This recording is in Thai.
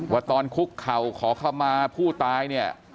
ว่าตอนคุกเข่าขอเข้ามาผู้ตายเนี่ย